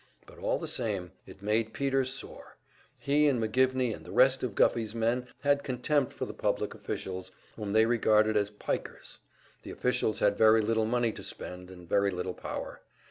But all the same, it made Peter sore! He and McGivney and the rest of Guffey's men had a contempt for the public officials, whom they regarded as "pikers"; the officials had very little money to spend, and very little power.